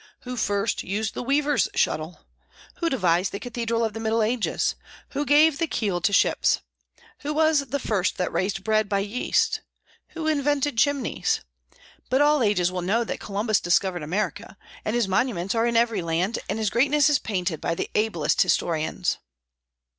Who first used the weaver's shuttle? Who devised the cathedrals of the Middle Ages? Who gave the keel to ships? Who was the first that raised bread by yeast? Who invented chimneys? But all ages will know that Columbus discovered America; and his monuments are in every land, and his greatness is painted by the ablest historians.